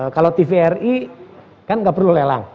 kalau tvri kan nggak perlu lelang